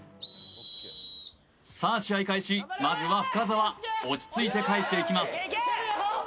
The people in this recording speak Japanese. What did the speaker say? さあ試合開始まずは深澤落ち着いて返していきます